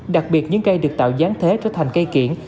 đặc biệt những cây được tạo dáng thế trở thành cây kiển